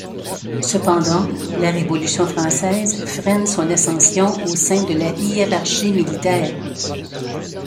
Cependant, la Révolution française freine son ascension au sein de la hiérarchie militaire.